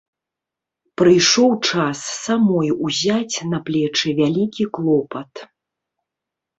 Прыйшоў час самой узяць на плечы вялікі клопат.